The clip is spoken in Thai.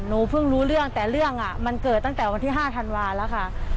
หนูเพิ่งรู้เรื่องแต่เรื่องมันเกิดตั้งแต่วันที่๕ธันวาแล้วค่ะ